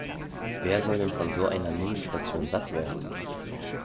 Wer soll denn von so einer Mini-Portion satt werden?